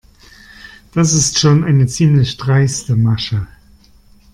Das ist schon eine ziemlich dreiste Masche.